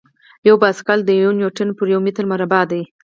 یو پاسکل د یو نیوټن پر یو متر مربع دی.